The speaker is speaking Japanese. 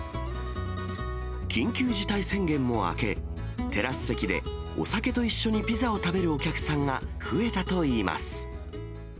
緊急事態宣言も明け、テラス席でお酒と一緒にピザを食べるお客さんが増えたといいます。